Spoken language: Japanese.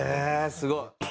すごい。